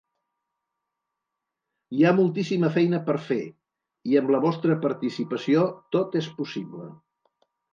Hi ha moltíssima feina per fer, i amb la vostra participació tot és possible.